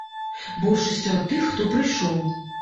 Большасцю ад тых, хто прыйшоў.